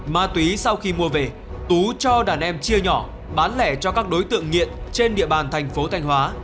ma túy sau khi mua về tú cho đàn em chia nhỏ bán lẻ cho các đối tượng nghiện trên địa bàn thành phố thanh hóa